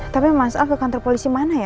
tapi mas al ke kantor polisi mana ya